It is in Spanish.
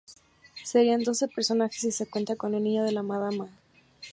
Serían doce personajes si se cuenta con el niño de la madama.